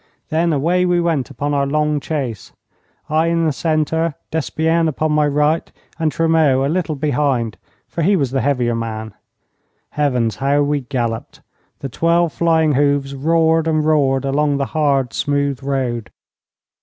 Then away we went upon our long chase, I in the centre, Despienne upon my right, and Tremeau a little behind, for he was the heavier man. Heavens, how we galloped! The twelve flying hoofs roared and roared along the hard, smooth road.